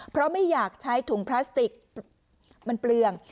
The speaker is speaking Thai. เพราะไม่อยากใช้ถุงพลาสติกมันเปลือง